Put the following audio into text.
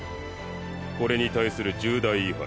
これに対する重大違反だ。